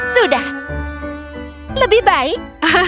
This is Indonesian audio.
sudah lebih baik